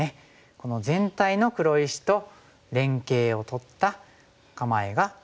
この全体の黒石と連携をとった構えが完成します。